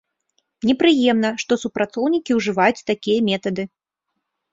Непрыемна, што супрацоўнікі ўжываюць такія метады.